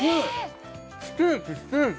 ステーキステーキ！